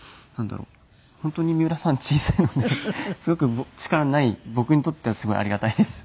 本当に三浦さん小さいのですごく力のない僕にとってはすごいありがたいです。